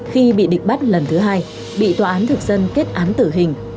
khi bị địch bắt lần thứ hai bị tòa án thực dân kết án tử hình